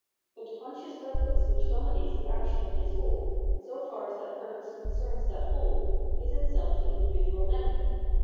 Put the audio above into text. But the conscious purpose which dominates the action of this whole, so far as that purpose concerns that whole, is itself the individual member.